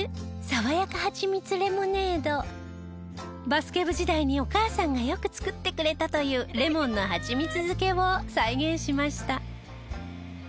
バスケ部時代にお母さんがよく作ってくれたというレモンのはちみつ漬けを再現しました。